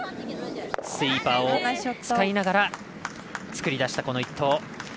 スイーパーを使いながら作り出した、この１投。